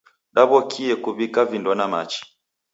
Daw'okie kuw'ika vindo na machi.